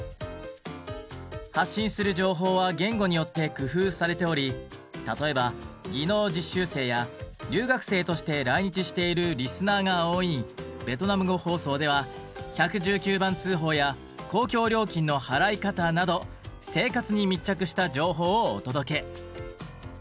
発信する情報は言語によって工夫されており例えば技能実習生や留学生として来日しているリスナーが多いベトナム語放送ではなど生活に密着した情報をお届け。